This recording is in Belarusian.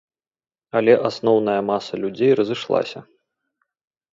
Але асноўная маса людзей разышлася.